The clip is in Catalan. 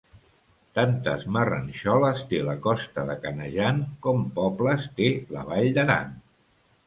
Tantes marranxoles té la costa de Canejan com pobles té la Vall d'Aran.